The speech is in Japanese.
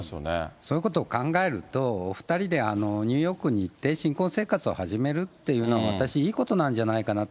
そういうことを考えると、お２人でニューヨークに行って新婚生活を始めるっていうのは、私、いいことなんじゃないかなと。